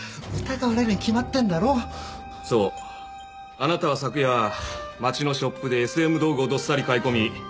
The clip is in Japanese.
あなたは昨夜街のショップでＳＭ道具をどっさり買い込み